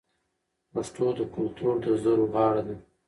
پښتو د کلتور د زرو غاړه ده.